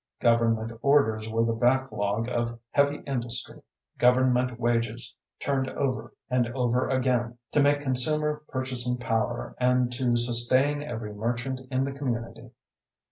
Government orders were the backlog of heavy industry; government wages turned over and over again to make consumer purchasing power and to sustain every merchant in the community.